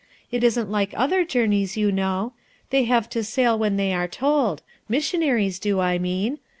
It isn't like oilier journeys, you know ; they have to sail when they are told; missionaries do, I mean.